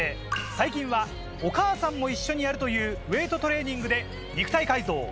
最近はお母さんも一緒にやるというウエートトレーニングで肉体改造。